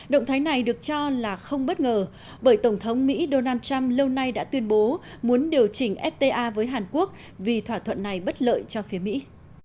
động thái này được cho là không bất ngờ bởi tổng thống mỹ donald trump lâu nay đã tuyên bố muốn điều chỉnh fta với hàn quốc vì thỏa thuận này bất lợi cho phía mỹ